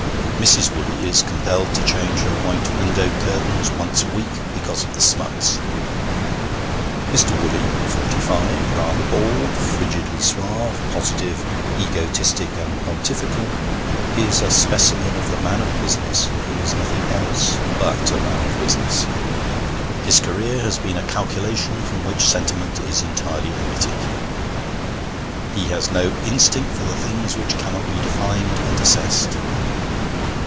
Mrs. Woolley is compelled to change her white window curtains once a week because of the smuts. Mr. Woolley, forty five, rather bald, frigidly suave, positive, egotistic, and pontifical, is a specimen of the man of business who is nothing else but a man of business. His career has been a calculation from which sentiment is entirely omitted; he has no instinct for the things which cannot be defined and assessed.